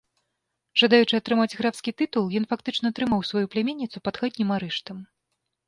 Жадаючы атрымаць графскі тытул, ён фактычна трымаў сваю пляменніцу пад хатнім арыштам.